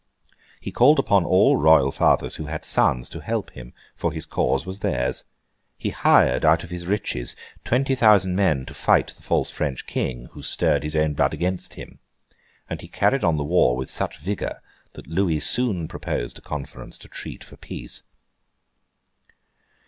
He called upon all Royal fathers who had sons, to help him, for his cause was theirs; he hired, out of his riches, twenty thousand men to fight the false French King, who stirred his own blood against him; and he carried on the war with such vigour, that Louis soon proposed a conference to treat for peace.